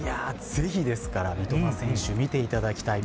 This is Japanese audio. ぜひですから三笘選手、見ていただきたい。